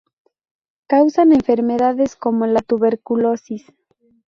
Causan enfermedades como la tuberculosis.